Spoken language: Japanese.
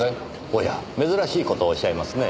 おや珍しい事をおっしゃいますね。